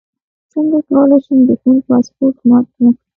څنګه کولی شم د فون پاسورډ مات کړم